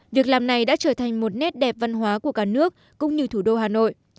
việc làm này đã trở thành một nét đẹp văn hóa của cả nước cũng như thủ đô hà nội